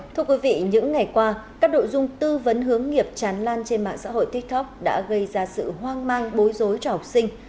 thưa quý vị những ngày qua các đội dung tư vấn hướng nghiệp tràn lan trên mạng xã hội tiktok đã gây ra sự hoang mang bối rối cho học sinh